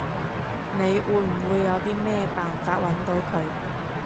你會唔會有啲咩辦法搵到佢？